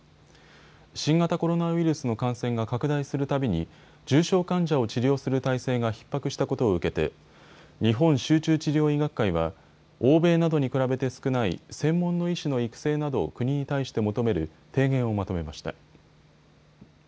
新型コロナウイルスの感染が拡大するたびに重症患者を治療する体制がひっ迫したことを受けて日本集中治療医学会は欧米などに比べて少ない専門の医師の育成などを国に対して求める提言をまとめました。